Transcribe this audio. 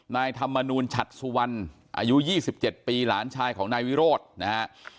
นายธรรมนูลฉัดสุวรรณอายุ๒๗ปีหลานชายของนายวิโรธนะฮะ